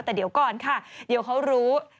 แต่เดี๋ยวก่อนค่ะเดี๋ยวเขารู้